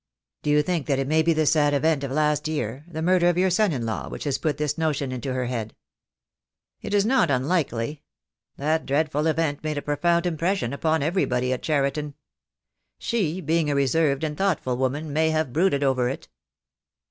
"Do you think that it may be the sad event of last year — the murder of your son in law — which has put this notion into her head?" THE DAY WILL COME. 20$ "It is not unlikely. That dreadful event made a profound impression upon everybody at Cheriton. She, being a reserved and thoughtful woman, may have brooded over it."